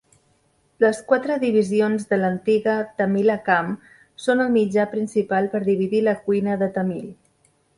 Les quatre divisions de l'antiga Tamilakam són el mitjà principal per dividir la cuina de Tamil.